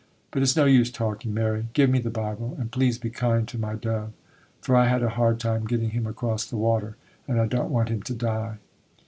—But it's no use talking, Mary. Give me the Bible; and please be kind to my dove,—for I had a hard time getting him across the water, and I don't want him to die.